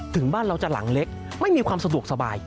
ถึงบ้านเราจะหลังเล็กไม่มีความสะดวกสบาย